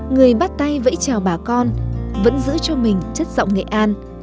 người bắt tay vẫy chào bà con vẫn giữ cho mình chất giọng nghệ an